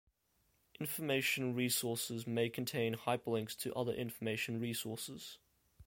Information resources may contain hyperlinks to other information resources.